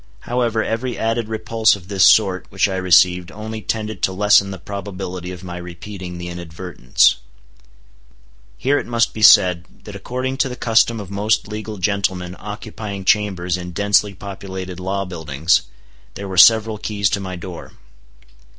However, every added repulse of this sort which I received only tended to lessen the probability of my repeating the inadvertence. Here it must be said, that according to the custom of most legal gentlemen occupying chambers in densely populated law buildings, there were several keys to my door.